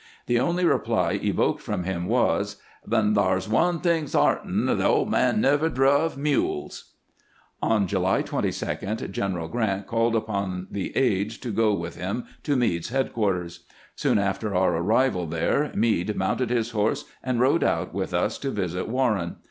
The only reply evoked from him was :" Then thar 's one thing sart'in : the old man never druv mules." On July 22 General Grant called upon the aides to go with him to Meade's headquarters. Soon after our ar rival there, Meade mounted his horse and rode out with us to visit Warren.